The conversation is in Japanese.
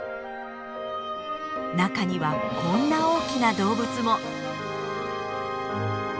中にはこんな大きな動物も。